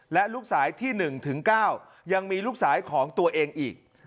และลูกสายที่๑ถึง๙ยังมีลูกสายของตัวเองอีก